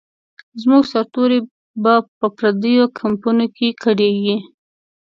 زموږ سرتوري به په پردیو کمپونو کې کړیږي.